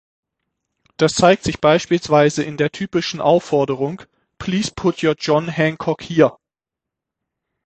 Das zeigt sich beispielsweise in der typischen Aufforderung „"Please, put your John Hancock here!